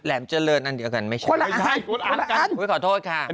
แหลมเจริญอันเดียวกันไม่ใช่คนอันคนอันอุ้ยขอโทษค่ะอันนี้